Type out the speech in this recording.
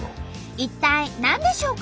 一体何でしょうか？